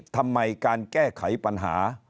ทำไมการแก้ไขปัญหา